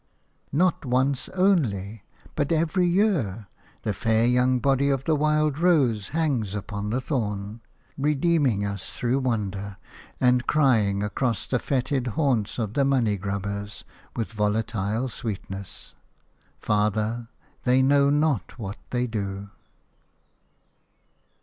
Not once only, but every year, the fair young body of the wild rose hangs upon the thorn, redeeming us through wonder, and crying across the fetid haunts of the money grubbers with volatile sweetness – "Father ... they know not what they do."